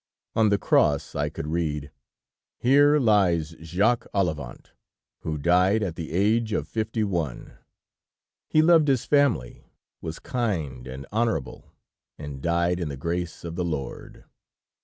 On the cross I could read: "'_Here lies Jacques Olivant, who died at the age of fifty one. He loved his family, was kind and honorable, and died in the grace of the Lord.